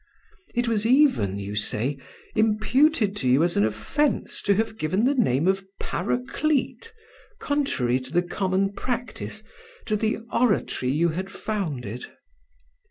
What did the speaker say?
It was even, you say, imputed to you as an offense to have given the name of Paraclete, contrary to the common practice, to the Oratory you had founded.